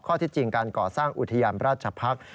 ที่จริงการก่อสร้างอุทยานราชพักษ์